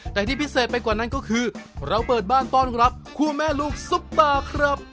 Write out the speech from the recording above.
แต่ที่พิเศษไปกว่านั้นก็คือเราเปิดบ้านต้อนรับคู่แม่ลูกซุปตาครับ